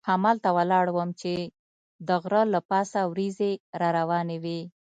همالته ولاړ وم چې د غره له پاسه وریځې را روانې وې.